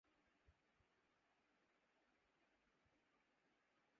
نہ ہوگا یک بیاباں ماندگی سے ذوق کم میرا